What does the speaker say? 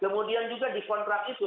kemudian juga di kontrak itu